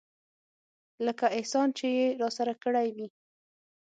لکه احسان چې يې راسره کړى وي.